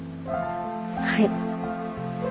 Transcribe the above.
はい。